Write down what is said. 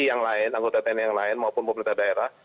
yang lain anggota tni yang lain maupun pemerintah daerah